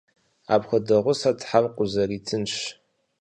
Апхуэдэ гъусэ Тхьэм къузэритынщ.